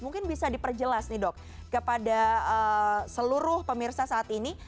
mungkin bisa diperjelas nih dok kepada seluruh pemirsa saat ini